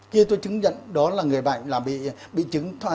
kia tôi chứng nhận đó là người bệnh là bị chứng